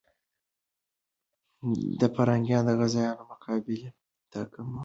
پرنګیان د غازيانو مقابلې ته کمزوري سول.